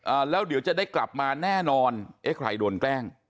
แล้วเดี๋ยวจะได้กลับมาแน่นอนเอ๊ะใครโดนแกล้ง